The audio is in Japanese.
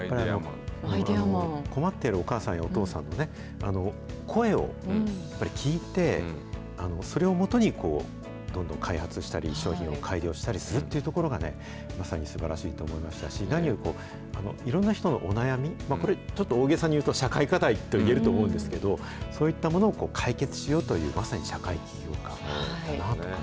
困っているお母さんやお父さんの声をやっぱり聞いて、それをもとにどんどん開発したり、商品を改良したりするというところがまさにすばらしいと思いましたし、何よりいろんな人のお悩み、これちょっと大げさに言うと社会課題といえると思うんですけれども、そういったものを解決しようという、すばらしい。